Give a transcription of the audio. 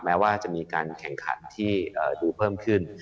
แม้ว่าจะมีการแข่งขันที่ดูเพิ่มขึ้น